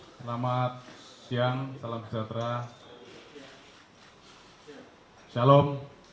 selamat siang salam sejahtera shalom